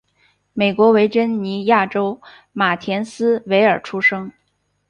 美国维珍尼亚州马田斯维尔出生。